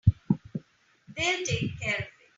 They'll take care of it.